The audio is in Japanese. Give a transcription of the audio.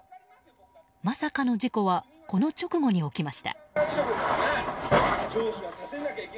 まさかの事故はこの直後に起きました。